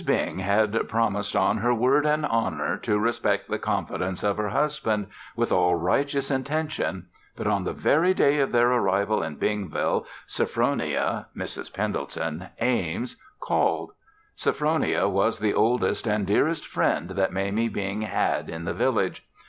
Bing had promised on her word and honor to respect the confidence of her husband, with all righteous intention, but on the very day of their arrival in Bingville, Sophronia (Mrs. Pendleton) Ames called. Sophronia was the oldest and dearest friend that Mamie Bing had in the village.